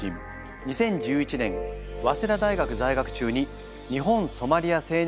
２０１１年早稲田大学在学中に日本ソマリア青年機構を設立。